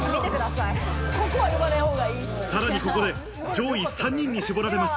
さらにここで上位３人に絞られます。